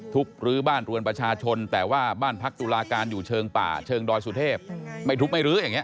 รื้อบ้านเรือนประชาชนแต่ว่าบ้านพักตุลาการอยู่เชิงป่าเชิงดอยสุเทพไม่ทุบไม่รื้ออย่างนี้